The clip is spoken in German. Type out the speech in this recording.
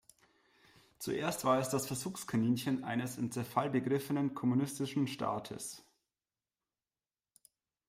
Zuerst war es das Versuchskaninchen eines im Zerfall begriffenen kommunistischen Staates.